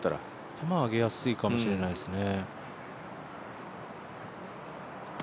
球は上げやすいかもしれないですね。